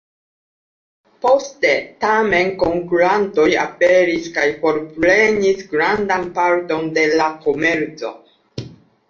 Poste, tamen, konkurantoj aperis kaj forprenis grandan parton de la komerco.